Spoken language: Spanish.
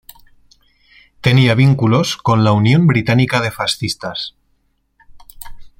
Tenía vínculos con la Unión Británica de Fascistas.